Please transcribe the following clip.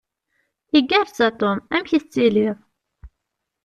Igerrez a Tom? Amek i tettiliḍ?